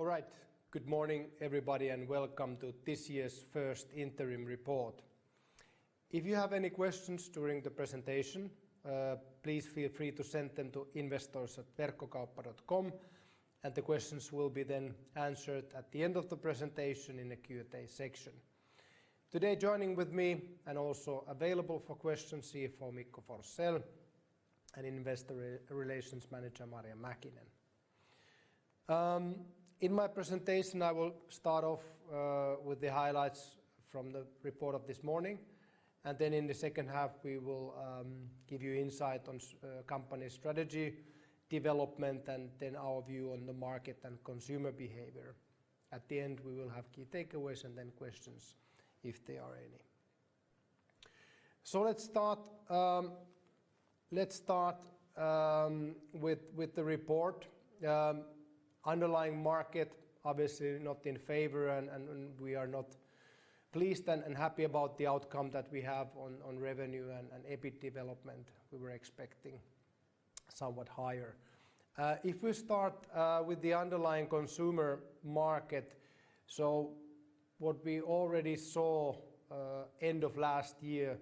All right. Good morning, everybody, and welcome to this year's first interim report. If you have any questions during the presentation, please feel free to send them to investors@Verkkokauppa.com, and the questions will be then answered at the end of the presentation in the Q&A section. Today, joining with me and also available for questions, CFO Mikko Forsell and Investor Relations Manager Marja Mäkinen. In my presentation, I will start off with the highlights from the report of this morning, and then in the H2, we will give you insight on company strategy, development, and then our view on the market and consumer behavior. At the end, we will have key takeaways and then questions if there are any. Let's start with the report. Underlying market obviously not in favor, and we are not pleased and happy about the outcome that we have on revenue and EBIT development. We were expecting somewhat higher. If we start with the underlying consumer market, so what we already saw end of last year,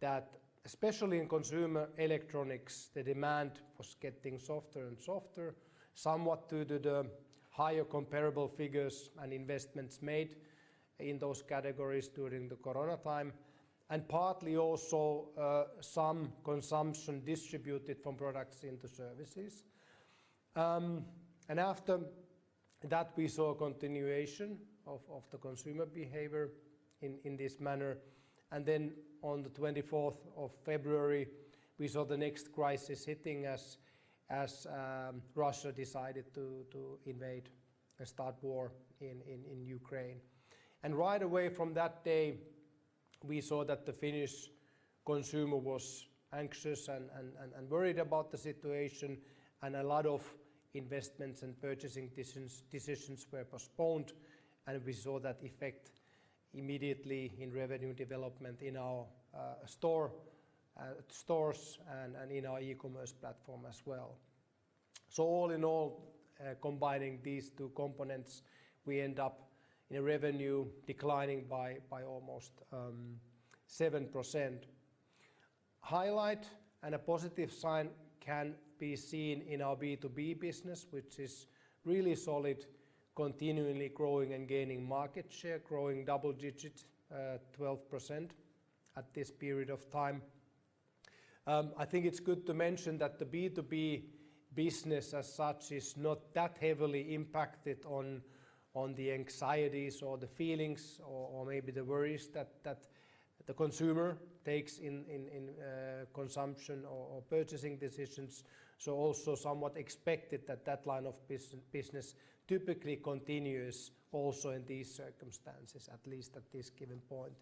that especially in consumer electronics, the demand was getting softer and softer, somewhat due to the higher comparable figures and investments made in those categories during the corona time, and partly also some consumption distributed from products into services. After that, we saw a continuation of the consumer behavior in this manner. Then on the twenty-fourth of February, we saw the next crisis hitting as Russia decided to invade and start war in Ukraine. Right away from that day, we saw that the Finnish consumer was anxious and worried about the situation, and a lot of investments and purchasing decisions were postponed, and we saw that effect immediately in revenue development in our stores and in our e-commerce platform as well. All in all, combining these two components, we end up in a revenue declining by almost 7%. A highlight and a positive sign can be seen in our B2B business, which is really solid, continually growing and gaining market share, growing double digit 12% at this period of time. I think it's good to mention that the B2B business as such is not that heavily impacted on the anxieties or the feelings or maybe the worries that the consumer takes in consumption or purchasing decisions. It is also somewhat expected that that line of business typically continues also in these circumstances, at least at this given point.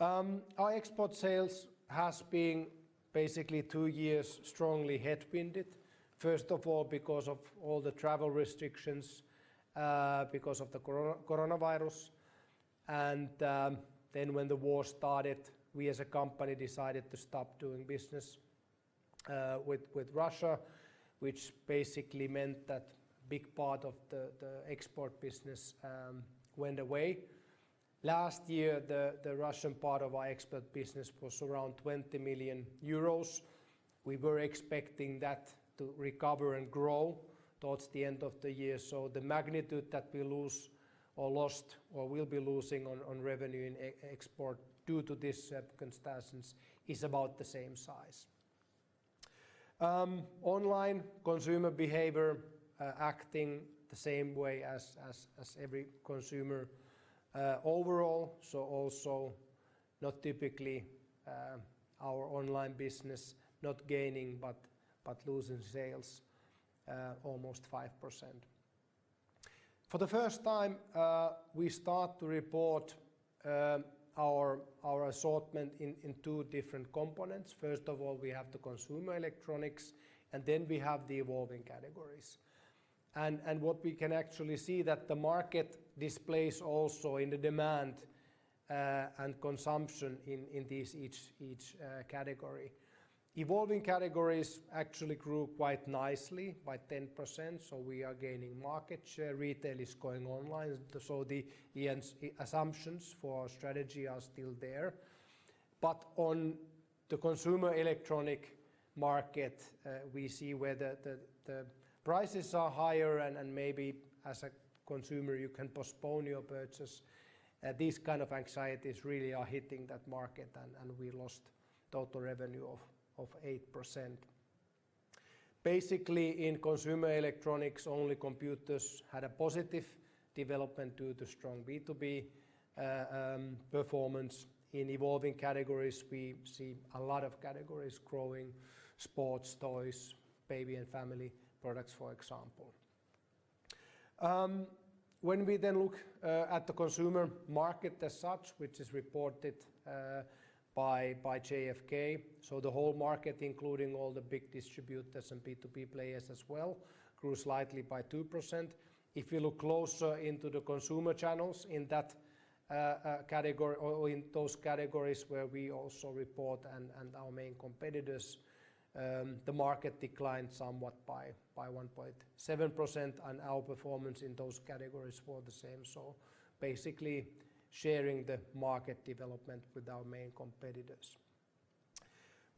Our export sales has been basically two years strongly headwinded. First of all, because of all the travel restrictions because of the coronavirus. Then when the war started, we as a company decided to stop doing business with Russia, which basically meant that big part of the export business went away. Last year, the Russian part of our export business was around 20 million euros. We were expecting that to recover and grow towards the end of the year. The magnitude that we lose or lost or will be losing on revenue in e-export due to these circumstances is about the same size. Online consumer behavior acting the same way as every consumer overall. Also not typically our online business not gaining but losing sales almost 5%. For the first time we start to report our assortment in two different components. First of all, we have the consumer electronics, and then we have the evolving categories. What we can actually see that the market displays also in the demand and consumption in each category. Evolving categories actually grew quite nicely by 10%, so we are gaining market share. Retail is going online, so the assumptions for our strategy are still there. On the consumer electronics market, we see where the prices are higher and maybe as a consumer, you can postpone your purchase. These kind of anxieties really are hitting that market, and we lost total revenue of 8%. Basically, in consumer electronics, only computers had a positive development due to strong B2B performance. In evolving categories, we see a lot of categories growing, sports, toys, baby and family products, for example. When we then look at the consumer market as such, which is reported by GfK, so the whole market, including all the big distributors and B2B players as well, grew slightly by 2%. If you look closer into the consumer channels, in that category or in those categories where we also report and our main competitors, the market declined somewhat by 1.7%, and our performance in those categories were the same. Basically, sharing the market development with our main competitors.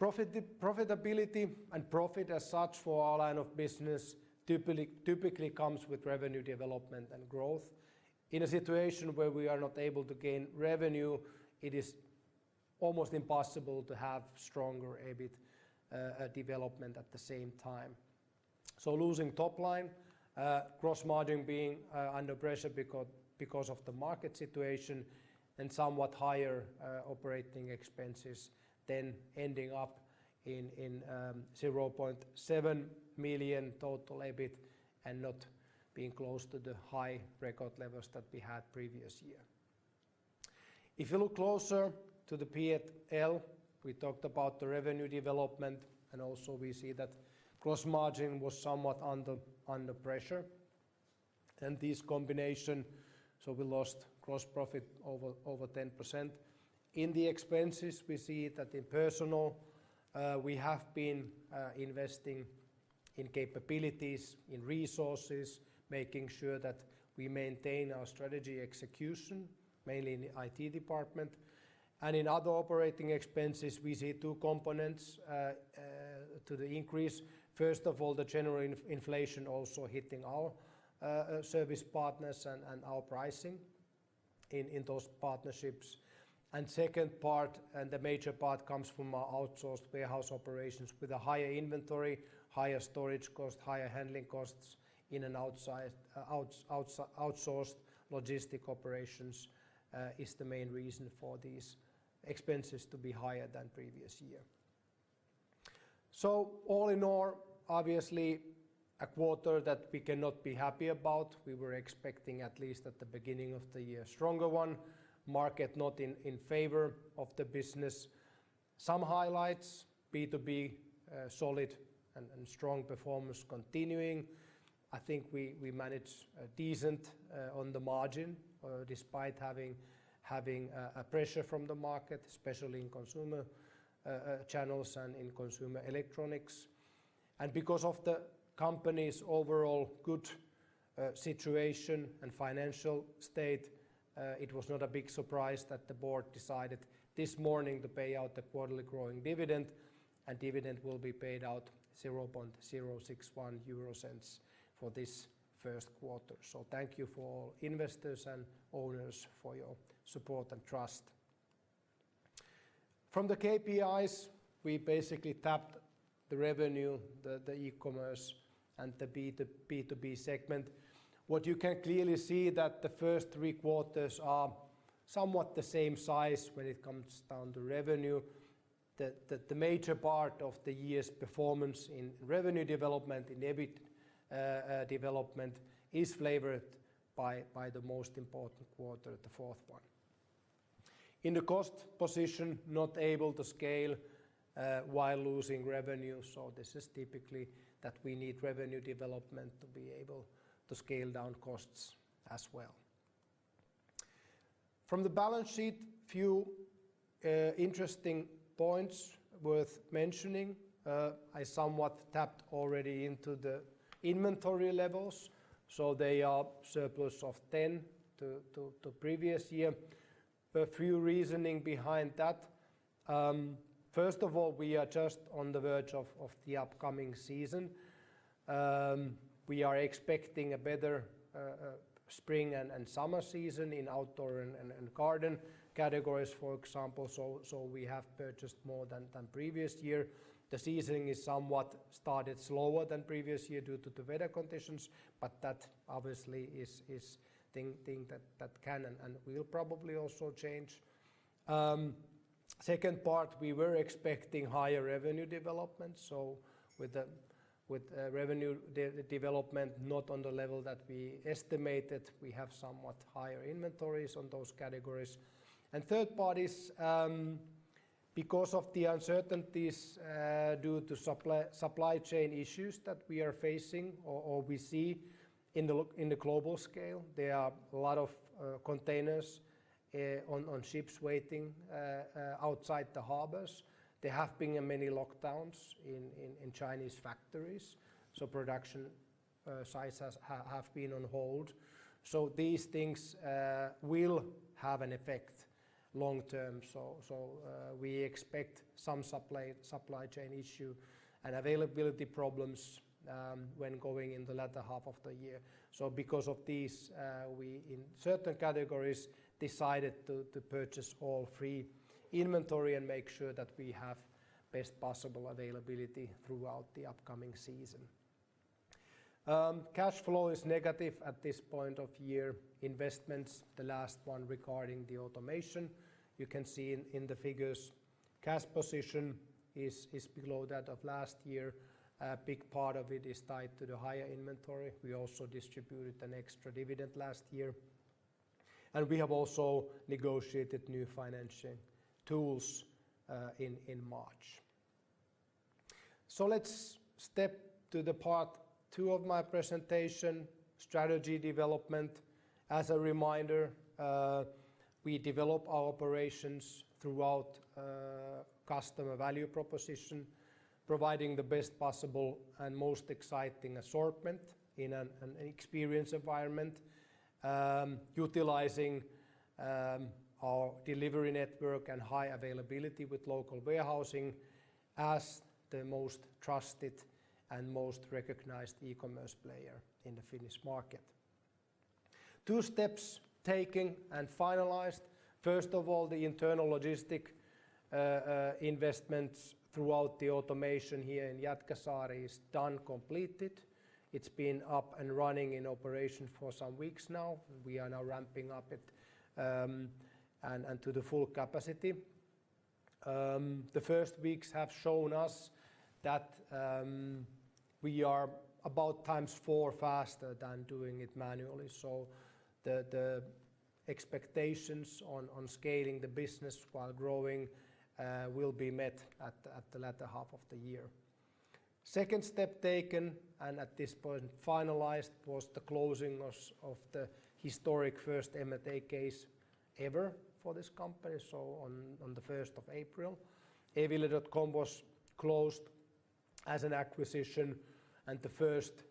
Profitability and profit as such for our line of business typically comes with revenue development and growth. In a situation where we are not able to gain revenue, it is almost impossible to have stronger EBIT development at the same time. Losing top line, gross margin being under pressure because of the market situation and somewhat higher operating expenses then ending up in 0.7 million total EBIT and not being close to the high record levels that we had previous year. If you look closer to the P&L, we talked about the revenue development, and also we see that gross margin was somewhat under pressure. This combination, so we lost gross profit over 10%. In the expenses, we see that in personnel we have been investing in capabilities, in resources, making sure that we maintain our strategy execution, mainly in the IT department. In other operating expenses, we see two components to the increase. First of all, the general inflation also hitting our service partners and our pricing in those partnerships. Second part, the major part, comes from our outsourced warehouse operations with a higher inventory, higher storage cost, higher handling costs in an outsourced logistics operations is the main reason for these expenses to be higher than previous year. All in all, obviously a quarter that we cannot be happy about. We were expecting, at least at the beginning of the year, stronger one. Market not in favor of the business. Some highlights, B2B, solid and strong performance continuing. I think we managed decent on the margin, despite having a pressure from the market, especially in consumer channels and in consumer electronics. Because of the company's overall good situation and financial state, it was not a big surprise that the board decided this morning to pay out the quarterly growing dividend, and dividend will be paid out 0.061 for this Q1. Thank you for all investors and owners for your support and trust. From the KPIs, we basically tapped the revenue, the e-commerce and the B2B segment. What you can clearly see that the first three quarters are somewhat the same size when it comes down to revenue. The major part of the year's performance in revenue development, in EBIT development, is flavored by the most important quarter, the fourth one. In the cost position, not able to scale while losing revenue, so this is typically that we need revenue development to be able to scale down costs as well. From the balance sheet, few interesting points worth mentioning. I somewhat tapped already into the inventory levels, so they are surplus of 10% to previous year. A few reasons behind that. First of all, we are just on the verge of the upcoming season. We are expecting a better spring and summer season in outdoor and garden categories, for example. We have purchased more than previous year. The season is somewhat started slower than previous year due to the weather conditions, but that obviously is a thing that can and will probably also change. Second part, we were expecting higher revenue development. With the revenue development not on the level that we estimated, we have somewhat higher inventories on those categories. Third part is because of the uncertainties due to supply chain issues that we are facing or we see in the global scale. There are a lot of containers on ships waiting outside the harbors. There have been many lockdowns in Chinese factories, so production size has been on hold. These things will have an effect long-term. We expect some supply chain issue and availability problems when going in the latter half of the year. Because of this, we, in certain categories, decided to purchase all the inventory and make sure that we have best possible availability throughout the upcoming season. Cash flow is negative at this point of the year. Investments, the last one regarding the automation, you can see in the figures. Cash position is below that of last year. A big part of it is tied to the higher inventory. We also distributed an extra dividend last year. We have also negotiated new financing tools in March. Let's step to the Part two of my presentation, strategy development. As a reminder, we develop our operations throughout customer value proposition, providing the best possible and most exciting assortment in an experience environment, utilizing our delivery network and high availability with local warehousing as the most trusted and most recognized e-commerce player in the Finnish market. Two steps taken and finalized. First of all, the internal logistics investments throughout the automation here in Jätkäsaari is done, completed. It's been up and running in operation for some weeks now. We are now ramping up it and to the full capacity. The first weeks have shown us that we are about 4x faster than doing it manually. The expectations on scaling the business while growing will be met at the latter half of the year. Second step taken, and at this point finalized, was the closing of the historic first M&A case ever for this company. On the 1st of April, e-ville.com was closed as an acquisition, and the first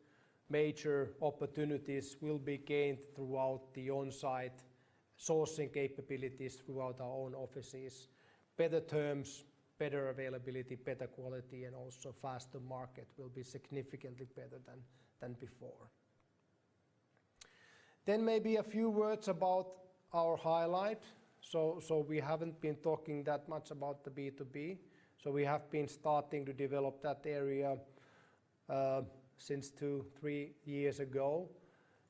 major opportunities will be gained throughout the on-site sourcing capabilities throughout our own offices. Better terms, better availability, better quality, and also faster market will be significantly better than before. Maybe a few words about our highlight. We haven't been talking that much about the B2B. We have been starting to develop that area since two, three years ago,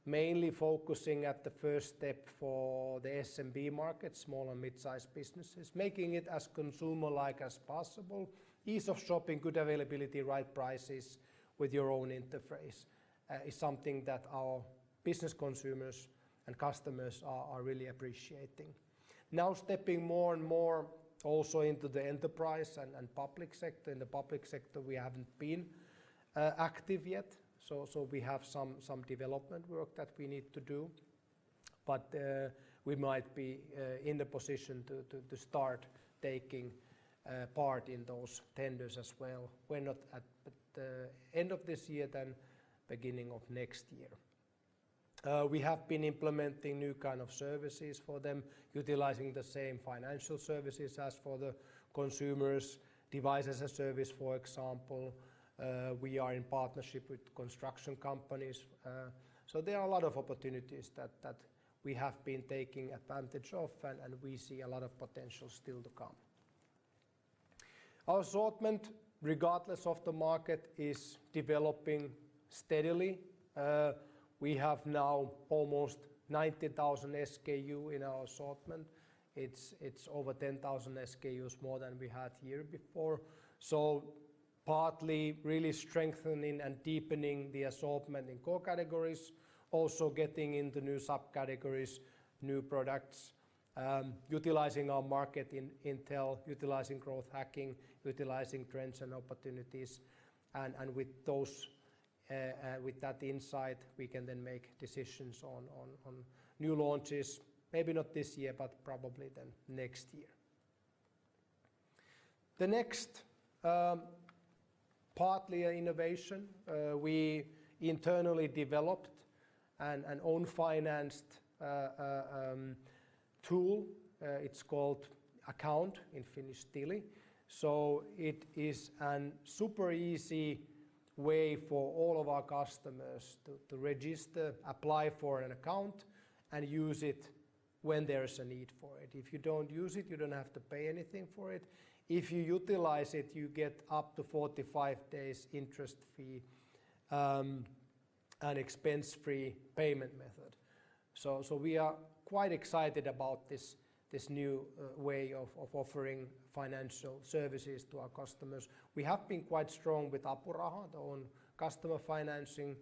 mainly focusing at the first step for the SMB market, small and mid-sized businesses, making it as consumer-like as possible. Ease of shopping, good availability, right prices with your own interface is something that our business consumers and customers are really appreciating. Now stepping more and more also into the enterprise and public sector. In the public sector, we haven't been active yet, so we have some development work that we need to do. We might be in the position to start taking part in those tenders as well. End of this year then beginning of next year. We have been implementing new kind of services for them, utilizing the same financial services as for the consumers, device as a service, for example. We are in partnership with construction companies. There are a lot of opportunities that we have been taking advantage of, and we see a lot of potential still to come. Our assortment, regardless of the market, is developing steadily. We have now almost 90,000 SKUs in our assortment. It's over 10,000 SKUs more than we had year before. Partly really strengthening and deepening the assortment in core categories, also getting into new subcategories, new products, utilizing our market intel, utilizing growth hacking, utilizing trends and opportunities. With that insight, we can then make decisions on new launches, maybe not this year, but probably then next year. Next, partly innovation, we internally developed an own financing tool. It's called Account in Finnish, Tili. It is a super easy way for all of our customers to register, apply for an account, and use it when there's a need for it. If you don't use it, you don't have to pay anything for it. If you utilize it, you get up to 45 days interest-free, and expense-free payment method. We are quite excited about this new way of offering financial services to our customers. We have been quite strong with Apuraha, our own customer financing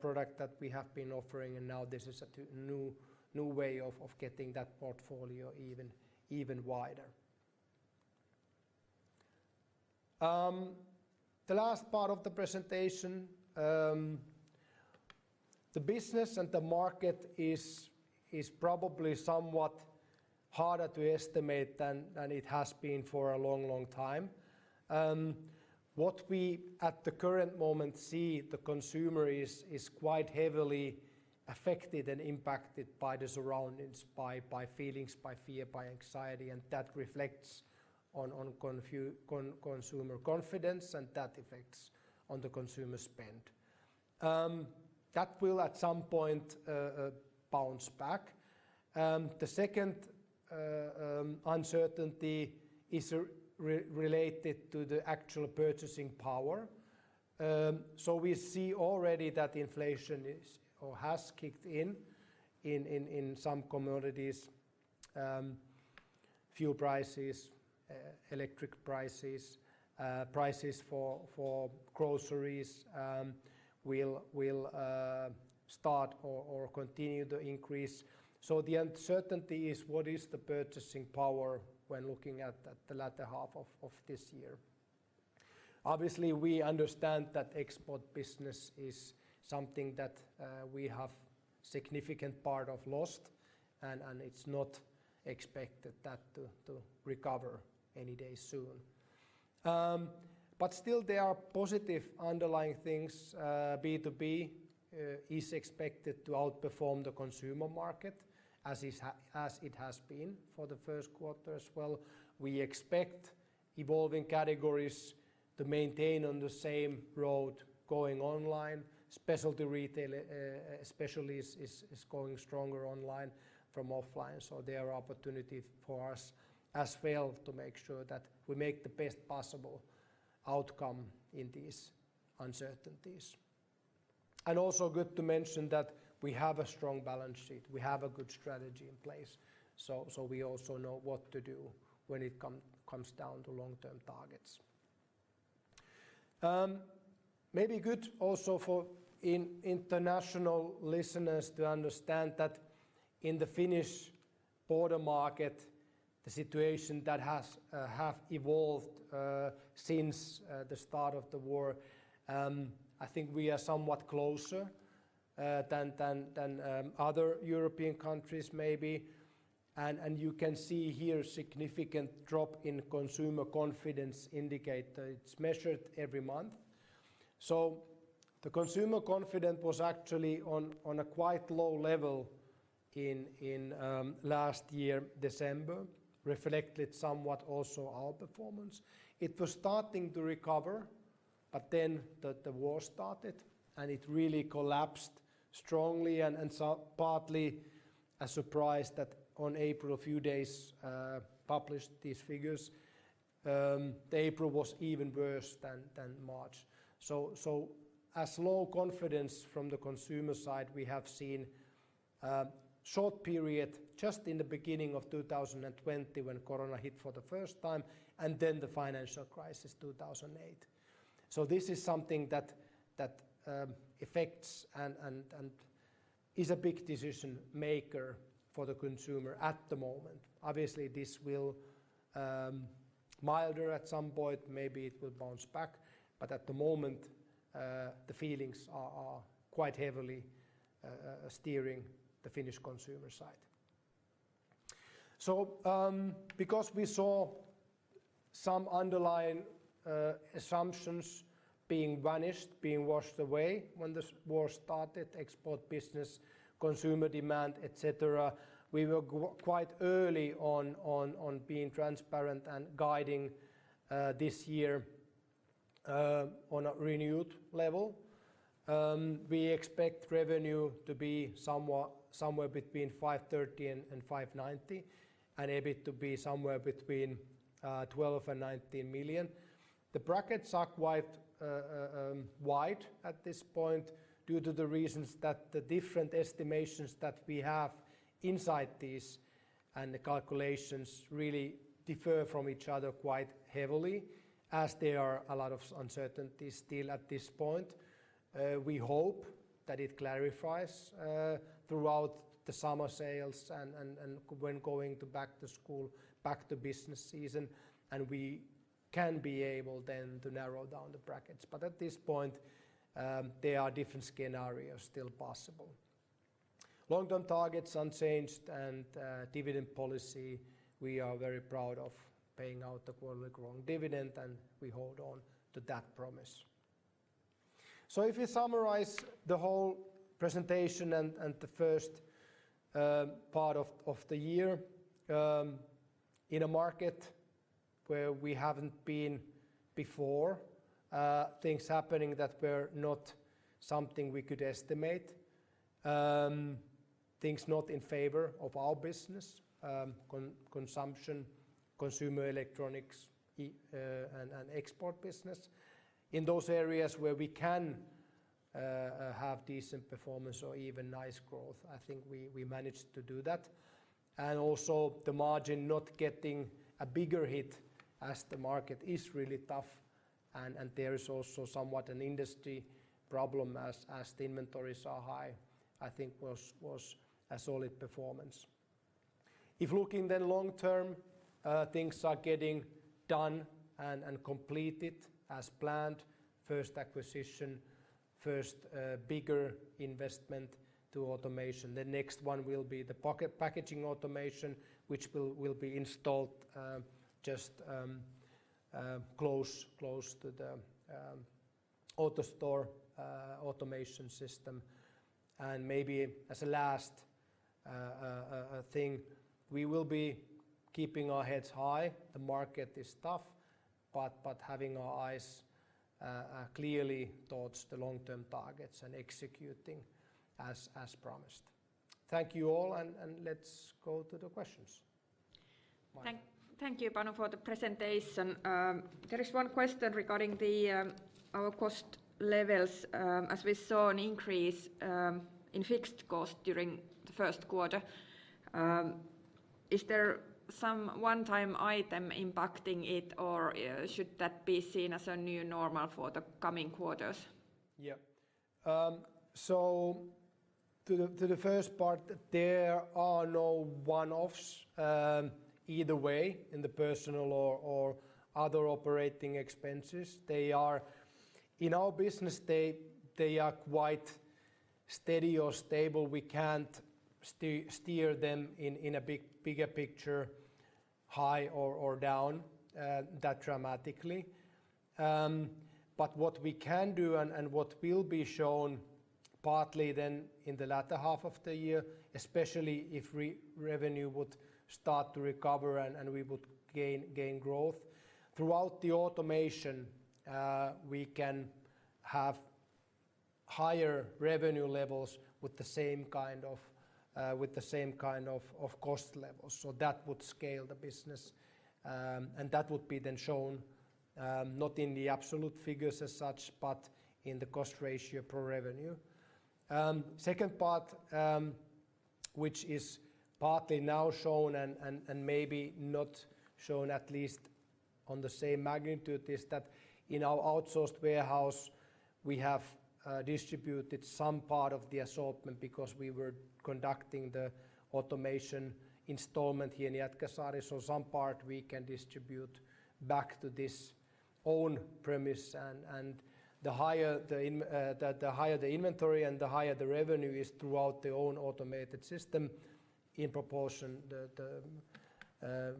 product that we have been offering, and now this is a new way of getting that portfolio even wider. The last part of the presentation, the business and the market is probably somewhat harder to estimate than it has been for a long time. What we at the current moment see the consumer is quite heavily affected and impacted by the surroundings, by feelings, by fear, by anxiety, and that reflects on consumer confidence, and that affects on the consumer spend. That will at some point bounce back. The second uncertainty is related to the actual purchasing power. We see already that inflation is or has kicked in in some commodities. Fuel prices, electric prices for groceries will start or continue to increase. The uncertainty is what is the purchasing power when looking at the latter half of this year? Obviously, we understand that export business is something that we have significant part of lost and it's not expected that to recover any day soon. Still there are positive underlying things. B2B is expected to outperform the consumer market as it has been for the Q1 as well. We expect evolving categories to maintain on the same road going online. Specialty retail, especially is going stronger online from offline, so there are opportunity for us as well to make sure that we make the best possible outcome in these uncertainties. Also good to mention that we have a strong balance sheet. We have a good strategy in place, so we also know what to do when it comes down to long-term targets. Maybe good also for international listeners to understand that in the Finnish broader market, the situation that has evolved since the start of the war. I think we are somewhat closer than other European countries maybe. You can see here significant drop in consumer confidence indicator. It's measured every month. The consumer confidence was actually on a quite low level in last year December, reflected somewhat also our performance. It was starting to recover, but then the war started, and it really collapsed strongly and so partly a surprise that in April, a few days ago published these figures, the April was even worse than March. As low confidence from the consumer side, we have seen short period just in the beginning of 2020 when corona hit for the first time, and then the financial crisis, 2008. This is something that affects and is a big decision maker for the consumer at the moment. Obviously, this will milden at some point, maybe it will bounce back. At the moment, the feelings are quite heavily steering the Finnish consumer side. Because we saw some underlying assumptions being vanished, being washed away when this war started, export business, consumer demand, et cetera, we were quite early on being transparent and guiding this year on a renewed level. We expect revenue to be somewhat somewhere between 530 million and 590 million and EBIT to be somewhere between 12 million and 19 million. The brackets are quite wide at this point due to the reasons that the different estimations that we have inside these and the calculations really differ from each other quite heavily, as there are a lot of uncertainties still at this point. We hope that it clarifies throughout the summer sales and when going to back to school, back to business season, and we can be able then to narrow down the brackets. At this point, there are different scenarios still possible. Long-term targets unchanged and dividend policy, we are very proud of paying out the quarterly growing dividend, and we hold on to that promise. If you summarize the whole presentation and the first part of the year, in a market where we haven't been before, things happening that were not something we could estimate, things not in favor of our business, consumption, consumer electronics, and export business. In those areas where we can have decent performance or even nice growth, I think we managed to do that. Also the margin not getting a bigger hit as the market is really tough and there is also somewhat an industry problem as the inventories are high, I think was a solid performance. If looking then long term, things are getting done and completed as planned. First acquisition, first bigger investment to automation. The next one will be the pocket packaging automation, which will be installed just close to the AutoStore automation system. Maybe as a last thing, we will be keeping our heads high. The market is tough, but having our eyes clearly towards the long-term targets and executing as promised. Thank you all and let's go to the questions. Marja. Thank you, Panu, for the presentation. There is one question regarding our cost levels as we saw an increase in fixed cost during the Q1. Is there some one-time item impacting it, or should that be seen as a new normal for the coming quarters? Yeah. To the first part, there are no one-offs either way in the personnel or other operating expenses. They are in our business quite steady or stable. We can't steer them in a bigger picture high or down that dramatically. But what we can do and what will be shown partly then in the latter half of the year, especially if revenue would start to recover and we would gain growth throughout the automation, we can have higher revenue levels with the same kind of cost levels. That would scale the business, and that would be then shown not in the absolute figures as such, but in the cost ratio per revenue. Second part, which is partly now shown and maybe not shown at least on the same magnitude is that in our outsourced warehouse, we have distributed some part of the assortment because we were conducting the automation installation here in Jätkäsaari. Some part we can distribute back to this own premise and the higher the inventory and the higher the revenue is throughout the own automated system in proportion the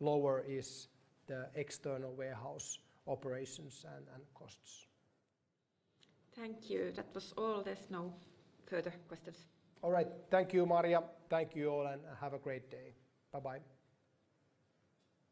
lower is the external warehouse operations and costs. Thank you. That was all. There's no further questions. All right. Thank you, Marja. Thank you all, and have a great day. Bye-bye.